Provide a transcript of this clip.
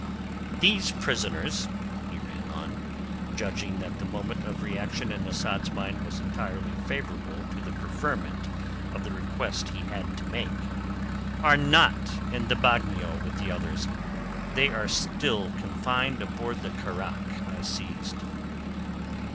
These prisoners," he ran on, judging that the moment of reaction in Asad's mind was entirely favourable to the preferment of the request he had to make, "are not in the bagnio with the others. They are still confined aboard the carack I seized."